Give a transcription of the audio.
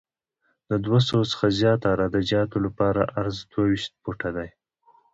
د دوه سوه څخه زیات عراده جاتو لپاره عرض دوه ویشت فوټه دی